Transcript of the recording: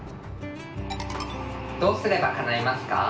どうすればかないますか？